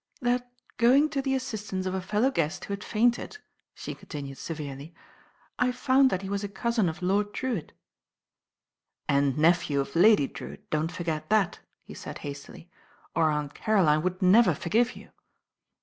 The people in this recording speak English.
"That going to the assistance of a fellow guest ^ho had fainted," she continued severely, "I found that he was a cousin of Lord Drewitt." "And nephew of Lady Drewitt, don't forget that," he said hastily, "or Aunt Caroline would never forgive you."